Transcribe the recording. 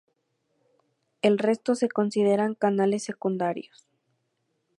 El resto se consideran canales secundarios.